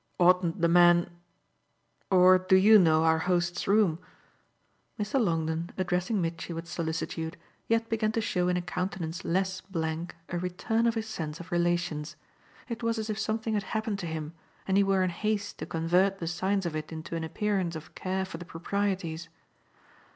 Oughtn't the man or do you know our host's room?" Mr. Longdon, addressing Mitchy with solicitude, yet began to show in a countenance less blank a return of his sense of relations. It was as if something had happened to him and he were in haste to convert the signs of it into an appearance of care for the proprieties.